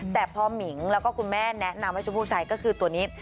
แต่พอหมิงแล้วก็คุณแม่แนะนำให้ชมพู่ใช้ก็คือตัวนี้